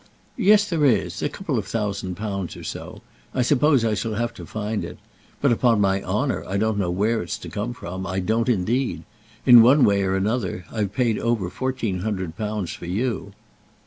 "Yes, there is. A couple of thousand pounds or so. I suppose I shall have to find it. But, upon my honour, I don't know where it's to come from; I don't, indeed. In one way or another, I've paid over fourteen hundred pounds for you."